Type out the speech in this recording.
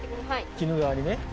鬼怒川にね。